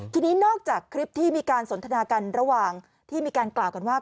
ทีนี้นอกจากคลิปที่มีการสนทนากันระหว่างที่มีการกล่าวกันว่า